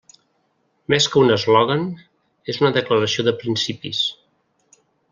Més que un eslògan, és una declaració de principis.